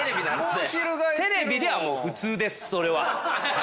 テレビでは普通ですそれは。